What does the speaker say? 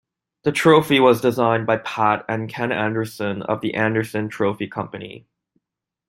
The trophy was designed by Pat and Ken Anderson of the Anderson Trophy Company.